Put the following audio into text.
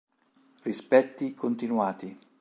Rispetti continuati.